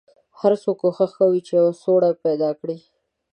هر څوک کوښښ کوي یوه سوړه پیدا کړي.